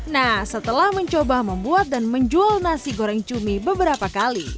nah setelah mencoba membuat dan menjual nasi goreng cumi beberapa kali